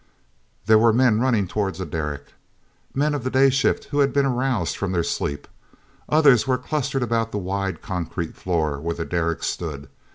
There were men running toward the derrick—men of the day shift who had been aroused from their sleep. Others were clustered about the wide concrete floor where the derrick stood.